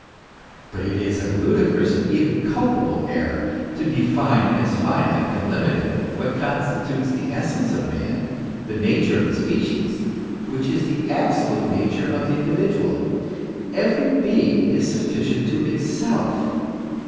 But it is a ludicrous and even culpable error to define as finite and limited what constitutes the essence of man, the nature of the species, which is the absolute nature of the individual. Every being is sufficient to itself.